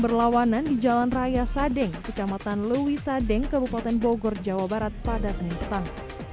kedua truk box yang ditumpah di jalan raya sadeng kecamatan lewi sadeng kabupaten bogor jawa barat pada senin petang